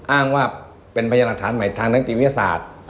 อ้างว่าเป็นพยานหลักฐานใหม่ทางนักติวิทยาศาสตร์